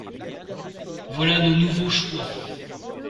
Voilà nos nouveaux Chouans